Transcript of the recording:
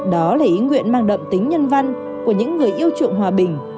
đó là ý nguyện mang đậm tính nhân văn của những người yêu chuộng hòa bình